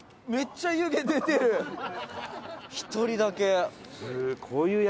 １人だけ。